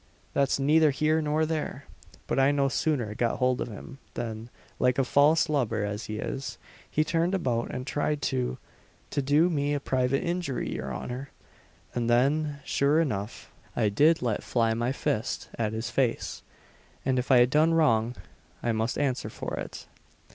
that's neither here nor there; but I no sooner got hold of him, than, like a false lubber as he is, he turned about and tried to to do me a private injury, your honour! and then, sure enough, I did let fly my fist at his face; and, I if have done wrong, I must answer for it."